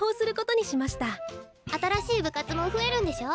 新しい部活も増えるんでしょ？